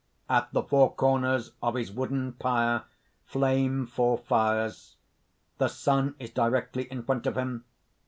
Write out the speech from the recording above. _ _At the four corners of his wooden pyre flame four fires. The sun is directly in front of him.